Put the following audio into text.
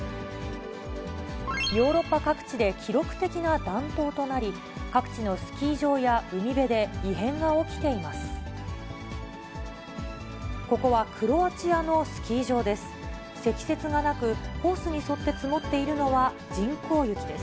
ヨーロッパ各地で記録的な暖冬となり、各地のスキー場や海辺で異変が起きています。